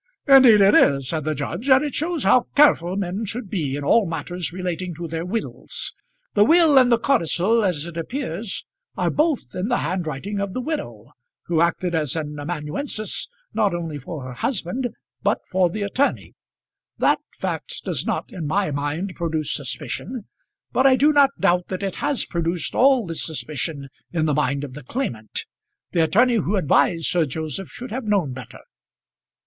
"Indeed it is," said the judge; "and it shows how careful men should be in all matters relating to their wills. The will and the codicil, as it appears, are both in the handwriting of the widow, who acted as an amanuensis not only for her husband but for the attorney. That fact does not in my mind produce suspicion; but I do not doubt that it has produced all this suspicion in the mind of the claimant. The attorney who advised Sir Joseph should have known better."